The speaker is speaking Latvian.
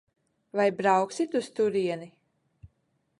Vai brauksit uz turieni?